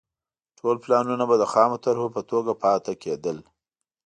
ټول پلانونه به د خامو طرحو په توګه پاتې کېدل.